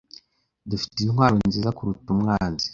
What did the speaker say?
Dufite intwaro nziza kuruta umwanzi.